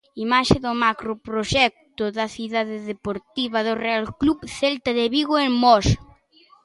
Imaxe do macroproxecto da cidade deportiva do Real Club Celta de Vigo en Mos.